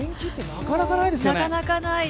なかなかないですよね。